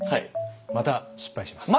また失敗します。